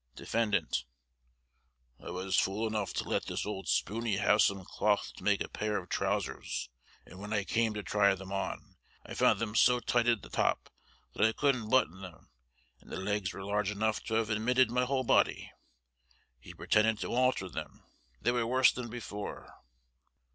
Defendant: I was fool enough to let this old spooney have some cloth to make a pair of trousers, and when I came to try them on, I found them so tight at the top that I couldn't button them, and the legs were large enough to have admitted my whole body. He pretended to alter them they were worse than before.